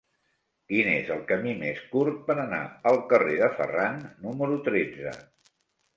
Quin és el camí més curt per anar al carrer de Ferran número tretze?